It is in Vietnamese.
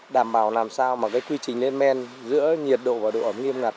đảm bảo làm sao mà cái quy trình lên men giữa nhiệt độ và độ ẩm nghiêm ngặt